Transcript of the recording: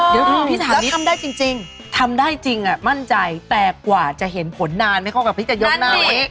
เดี๋ยวพี่ถามแล้วทำได้จริงทำได้จริงมั่นใจแต่กว่าจะเห็นผลนานไม่เข้ากับพี่จะยกหน้านี้